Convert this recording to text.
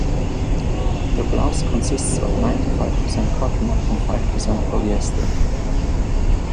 Her blouse consists of ninety-five percent cotton and five percent polyester.